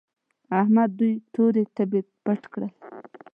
احمد دوی تورې تبې تپ کړل.